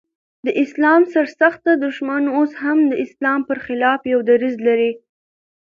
د اسلام سر سخته دښمنان اوس هم د اسلام پر خلاف يو دريځ لري.